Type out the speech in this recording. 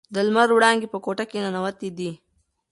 د لمر وړانګې په کوټه کې ننووتې دي.